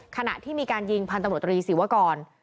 ขณะที่มีการยิงพันธมตรีศิวกร